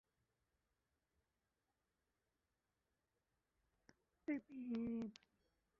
অথবা যানবাহন চলাচলের ব্যবস্থা আছে।